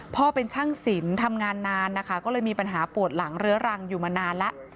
เป็นช่างสินทำงานนานนะคะก็เลยมีปัญหาปวดหลังเรื้อรังอยู่มานานแล้ว